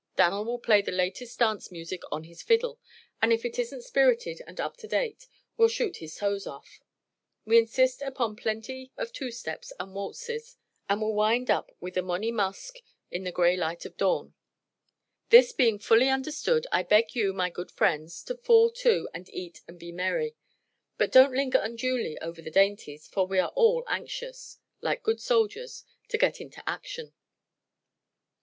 Dan'l will play the latest dance music on his fiddle, and if it isn't spirited and up to date we'll shoot his toes off. We insist upon plenty of two steps and waltzes and will wind up with a monney musk in the gray light of dawn. This being fully understood, I beg you, my good friends, to fall to and eat and be merry; but don't linger unduly over the dainties, for we are all anxious, like good soldiers, to get into action."